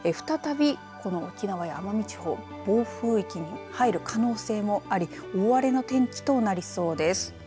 再びこの沖縄や奄美地方暴風域に入る可能性もあり大荒れの天気となりそうです。